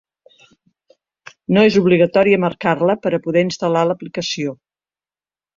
No és obligatòria marcar-la per a poder instal·lar l’aplicació.